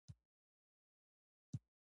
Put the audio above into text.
پیرو د پایلوچانو ټول منفي صفتونه درلودل.